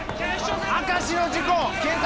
明石の事故検索！